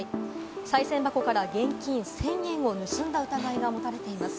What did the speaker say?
さい銭箱から現金１０００円を盗んだ疑いが持たれています。